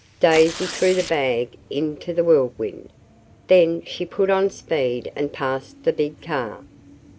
Daisy threw the bag into the Whirlwind. Then she put on speed and passed the big car.